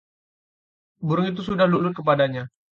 burung itu sudah lulut kepadanya